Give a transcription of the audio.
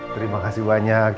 terima kasih banyak